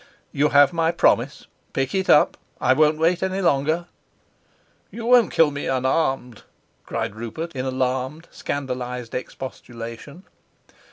"You have my promise: pick it up. I won't wait any longer." "You won't kill me unarmed?" cried Rupert, in alarmed scandalized expostulation.